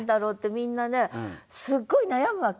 みんなねすごい悩むわけ。